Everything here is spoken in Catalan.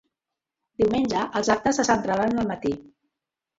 Diumenge els actes se centraran al matí.